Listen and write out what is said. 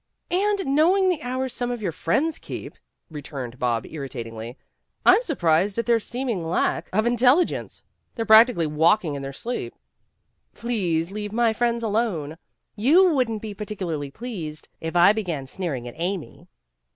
"And knowing the hours some of your friends keep," returned Bob irritatingly, "I'm not surprised at their seeming lack of intelli 158 PEGGY RAYMOND'S WAY gence. They're practically walking in their sleep." " Please leave my friends alone. You wouldn't be particularly pleased if I began sneering at Amy."